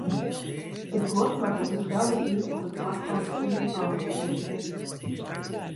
It guod moat op 'e stelde tiid op it plak fan bestimming ôflevere wurde.